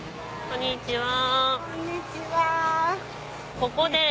こんにちは。